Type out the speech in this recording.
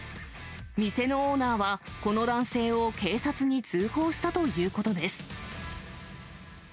店のオーナーは、この男性を警察に通報したということです。